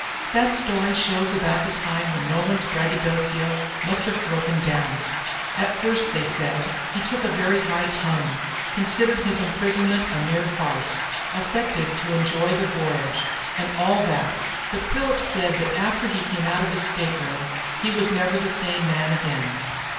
That story shows about the time when Nolan's braggadocio must have broken down. At first, they said, he took a very high tone, considered his imprisonment a mere farce, affected to enjoy the voyage, and all that; but Phillips said that after he came out of his state room he never was the same man again.